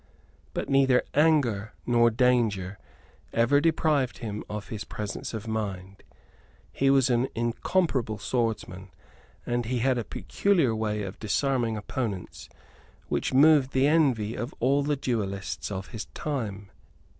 But neither anger nor danger ever deprived him of his presence of mind; he was an incomparable swordsman; and he had a peculiar way of disarming opponents which moved the envy of all the duellists of his time.